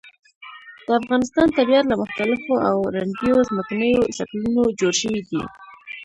د افغانستان طبیعت له مختلفو او رنګینو ځمکنیو شکلونو جوړ شوی دی.